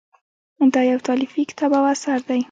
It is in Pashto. دا یو تالیفي کتاب او اثر دی.